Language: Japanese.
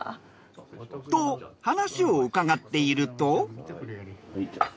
と話を伺っていると。